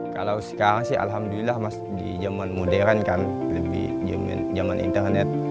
kalau sekarang sih alhamdulillah mas di zaman modern kan lebih zaman internet